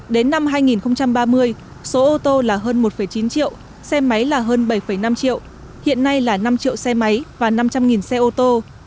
đến năm hai nghìn ba mươi số ô tô là hơn một chín triệu xe máy là hơn bảy năm triệu hiện nay là năm triệu xe máy và năm trăm linh xe ô tô